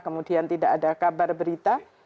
kemudian tidak ada kabar berita